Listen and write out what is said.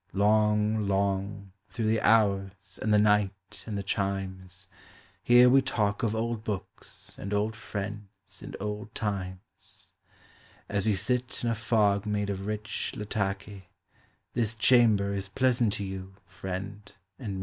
Long, long, through the hours, and the night, and the chimes, Here we talk of old books, and old friends, and old times; As we sit in a fog made of rich Latakio This chamber is pleasant to you, friend, and me.